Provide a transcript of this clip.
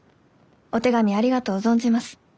お手紙ありがとう存じます。